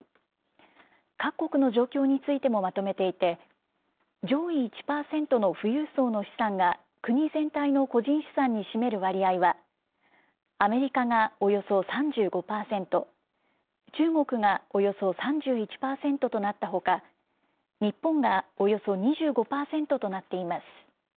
各国の状況についてもまとめていて、上位１％の富裕層の資産が、国全体の個人資産に占める割合は、アメリカがおよそ３５％、中国がおよそ３１％となったほか、日本がおよそ２５％となっています。